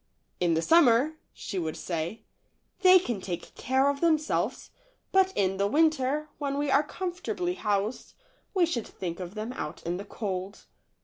w In the summer," she would say, "they can take care of themselves, but in the winter, when we are comfortably housed, we should think of them out in the cold."